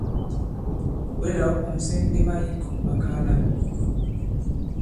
Ɔ̀ bwě la ɔ̃ pɔ̀ŋsɛ indema ì ŋ̀kɔ̀ŋɓakaala.